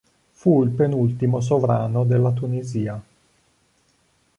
Fu il penultimo sovrano della Tunisia.